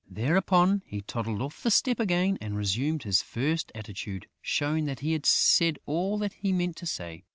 Thereupon, he toddled off the step again and resumed his first attitude, showing that he had said all that he meant to say.